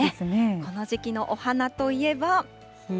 この時期のお花といえば。